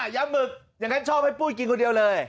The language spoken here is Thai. ยำหมึกอย่างนั้นชอบให้ปุ้ยกินคนเดียวเลย